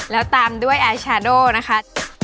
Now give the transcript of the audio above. แล้วตามด้วยแอร์ชาโดนะคะ